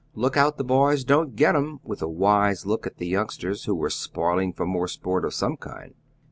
"Look out the boys don't get 'em," with a wise look at the youngsters, who were spoiling for more sport of some kind.